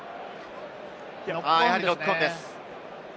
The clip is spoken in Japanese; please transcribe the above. やはりノックオンです。